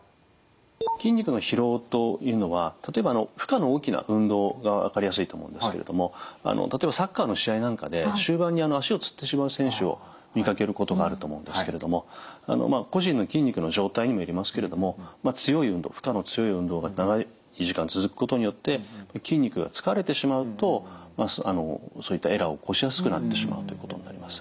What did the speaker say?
筋肉の疲労というのは例えば負荷の大きな運動が分かりやすいと思うんですけれども例えばサッカーの試合なんかで終盤に足をつってしまう選手を見かけることがあると思うんですけれども個人の筋肉の状態にもよりますけれども強い運動負荷の強い運動が長い時間続くことによって筋肉が疲れてしまうとそういったエラーを起こしやすくなってしまうということになります。